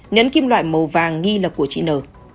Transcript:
nhấn kim loại màu vàng nghi là của chị n